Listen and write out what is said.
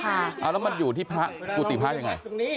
แล้วมันอยู่ที่พระกุฏิพระยังไง